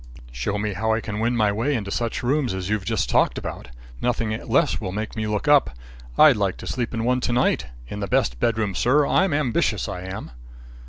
"Show me how I can win my way into such rooms as you've just talked about. Nothing less will make me look up. I'd like to sleep in one to night. In the best bedroom, sir. I'm ambitious; I am."